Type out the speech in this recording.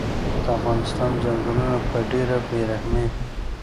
د افغانستان ځنګلونه په ډیره بیرحمۍ